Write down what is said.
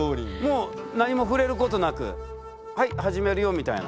もう何も触れることなくはい始めるよみたいな。